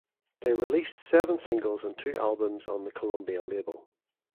They released seven singles and two albums on the Columbia label.